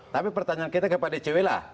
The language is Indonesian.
tapi pertanyaan kita kepada icw lah